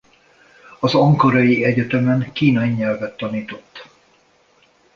Az Ankarai Egyetemen kínai nyelvet tanított.